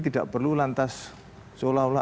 tidak perlu lantas seolah olah